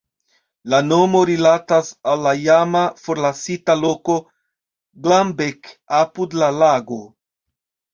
La nomo rilatas al la iama forlasita loko "Glambek" apud la lago.